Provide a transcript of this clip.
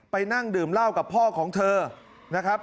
นั่งดื่มเหล้ากับพ่อของเธอนะครับ